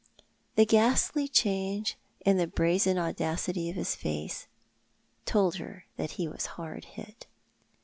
The ghastly change in the brazen audacity of his face told her that he was harl hit.